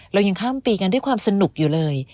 เรายังข้ามปีกันด้วยความสนุกอยู่เลย